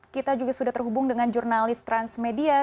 kita juga sudah terhubung dengan jurnalis transmedia